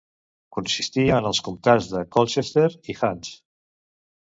Consistia en els comtats de Colchester i Hants.